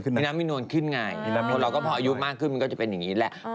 ก็เป็นเพื่อนในวงการเหมือนกันอะไรแบบนี้ไหม